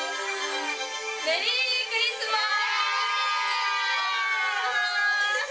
メリークリスマス！